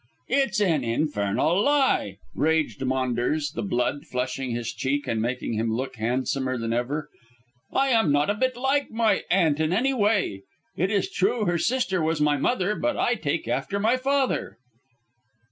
"It's an infernal lie," raged Maunders, the blood flushing his cheek and making him look handsomer than ever. "I am not a bit like my aunt in any way. It is true that her sister was my mother, but I take after my father."